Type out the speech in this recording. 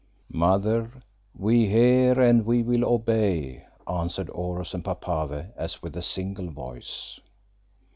"Mother, we hear and we will obey," answered Oros and Papave as with a single voice.